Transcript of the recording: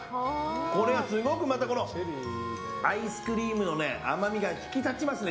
これはすごくアイスクリームの甘みが引き立ちますね